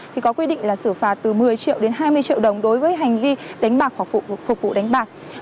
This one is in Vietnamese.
thì có quy định là xử phạt từ một mươi triệu đến hai mươi triệu đồng đối với hành vi đánh bạc hoặc phục vụ đánh bạc